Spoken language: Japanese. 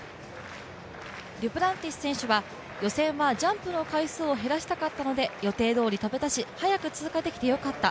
デュプランティス選手は予選はジャンプの回数を減らしたかったので予定どおり跳べたし、早く通過できてよかった。